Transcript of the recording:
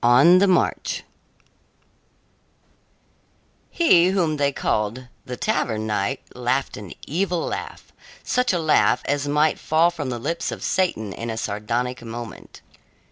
ON THE MARCH He whom they called the Tavern Knight laughed an evil laugh such a laugh as might fall from the lips of Satan in a sardonic moment.